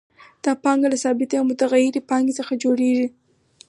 دا پانګه له ثابتې او متغیرې پانګې څخه جوړېږي